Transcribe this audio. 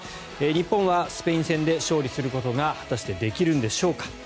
日本はスペイン戦で勝利することが果たしてできるんでしょうか。